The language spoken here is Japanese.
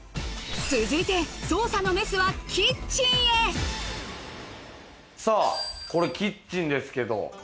続いて捜査のメスはキッチンへさぁこれキッチンですけど。